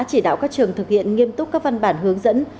chỉ đạo các trường thực hiện nghiêm túc các văn bản hướng dẫn